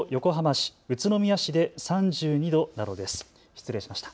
失礼しました。